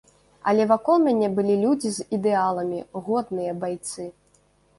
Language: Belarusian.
Але вакол мяне былі людзі з ідэаламі, годныя байцы.